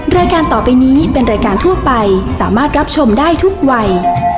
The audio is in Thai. รายการต่อไปนี้เป็นรายการทั่วไปสามารถรับชมได้ทุกวัย